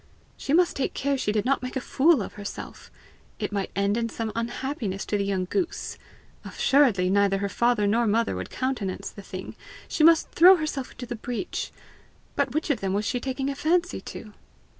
She must take care she did not make a fool of herself! It might end in some unhappiness to the young goose! Assuredly neither her father nor mother would countenance the thing! She must throw herself into the breach! But which of them was she taking a fancy to?